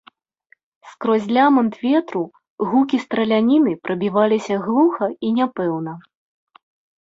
Скрозь лямант ветру гукі страляніны прабіваліся глуха і няпэўна.